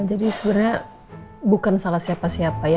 jadi sebenarnya bukan salah siapa siapa ya